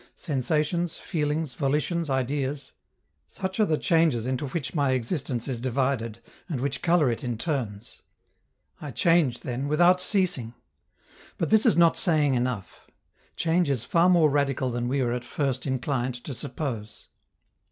Sensations, feelings, volitions, ideas such are the changes into which my existence is divided and which color it in turns. I change, then, without ceasing. But this is not saying enough. Change is far more radical than we are at first inclined to suppose.